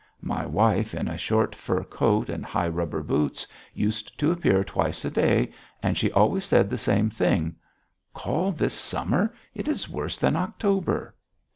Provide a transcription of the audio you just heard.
My wife in a short fur coat and high rubber boots used to appear twice a day and she always said the same thing: "Call this summer! It is worse than October!"